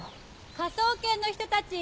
科捜研の人たち？